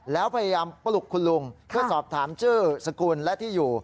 แล้วพยายามปลุกคุณลุงเพื่อสอบถามชื่อสกุลและที่อยู่